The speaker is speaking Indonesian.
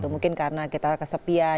mungkin karena kita kesepian